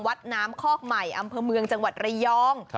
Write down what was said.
วัดน้ำคอกใหม่อำเภอเมืองจังหวัดระยอง